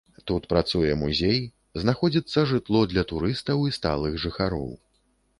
Тут працуе музей, знаходзіцца жытло для турыстаў і сталых жыхароў.